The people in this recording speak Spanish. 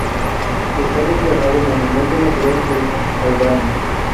Está declarado Monumento Natural de Albania.